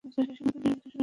আমি করে দিবো বলেছিলো।